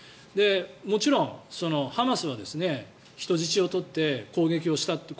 もちろんハマスは人質を取って攻撃をしたという。